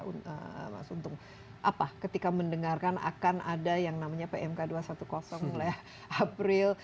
untuk ketika mendengarkan akan ada yang namanya pmk dua ratus sepuluh oleh april